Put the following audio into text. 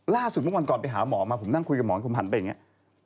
ล่าสุดเมื่อก่อนไปหาหมอมาผมนั่งคุยกับหมอผมหันไปอย่างนี้